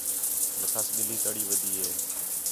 لَکھاس ٻلّھی تڑی ودی ہِے